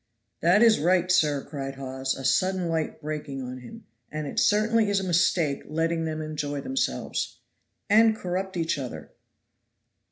"That is right, sir," cried Hawes, a sudden light breaking on him, "and it certainly is a mistake letting them enjoy themselves." "And corrupt each other."